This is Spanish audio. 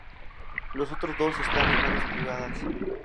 Los otros dos están en manos privadas.